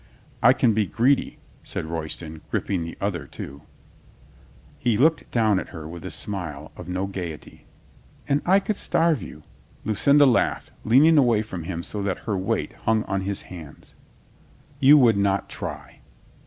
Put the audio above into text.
"I can be greedy," said Royston, gripping the other, too. He looked down at her with a smile of no gaiety. "And I could starve you," Lucinda laughed, lean ing away from him so that her weight hung on his hands. LUCINDA WEEPS 203 "Yoii would not try."